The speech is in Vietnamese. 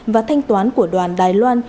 và thanh toán của đoàn đài loan